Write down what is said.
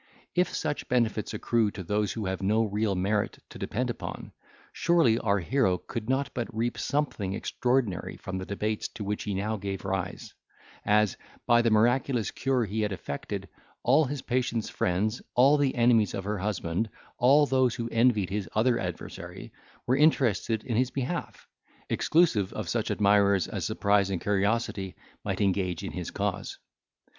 If such benefits accrue to those who have no real merit to depend upon, surely our hero could not but reap something extraordinary from the debates to which he now gave rise; as, by the miraculous cure he had affected, all his patient's friends, all the enemies of her husband, all those who envied his other adversary, were interested in his behalf, exclusive of such admirers as surprise and curiosity might engage in his cause.